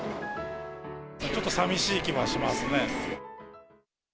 ちょっと寂しい気はしますね。